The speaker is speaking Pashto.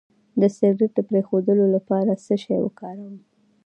د سګرټ د پرېښودو لپاره څه شی وکاروم؟